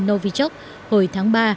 novichok hồi tháng ba